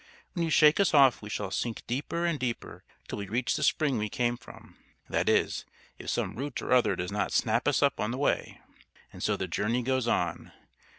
When you shake us off we shall sink deeper and deeper till we reach the spring we came from that is, if some root or other does not snap us up on the way. And so the journey goes on.